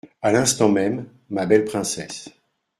À l'instant même, ma belle princesse.